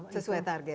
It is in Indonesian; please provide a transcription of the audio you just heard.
sesuai target ya